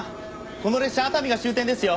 この列車熱海が終点ですよ。